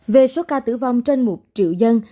về số ca tử vong trên một triệu dân